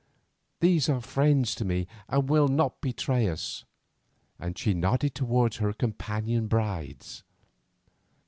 These are friends to me and will not betray us;" and she nodded towards her companion brides.